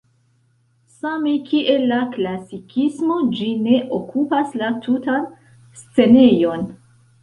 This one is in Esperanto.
Same kiel la klasikismo ĝi ne okupas la tutan scenejon.